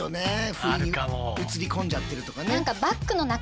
不意に写り込んじゃってるとかね。